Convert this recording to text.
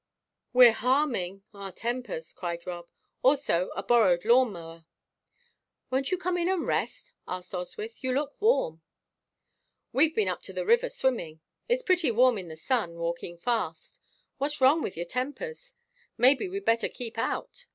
"We're harming our tempers," cried Rob. "Also a borrowed lawn mower." "Won't you come in and rest?" added Oswyth. "You look warm." "We've been up to the river swimming; it's pretty warm in the sun, walking fast. What's wrong with your tempers? Maybe we'd better keep out."